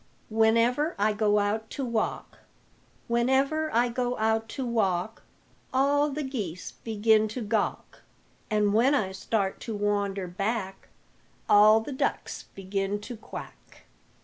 WHENEVER I GO OUT TO WALK Whenever I go out to walk, All the geese begin to gawk; And when I start to wander back, All the ducks begin to quack.